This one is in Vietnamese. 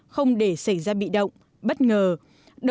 không để xảy ra bị động bất ngờ